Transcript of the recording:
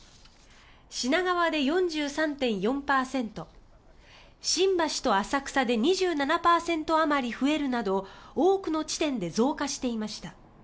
品川で４３．４％新橋と浅草で２７％あまり増えるなど多くの地点で増加していました。